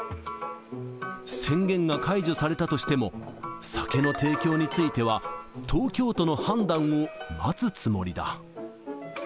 宣言が解除されたとしても、酒の提供については東京都の判断を待つつもりだ。